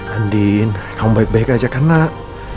andi kamu baik baik aja kan nak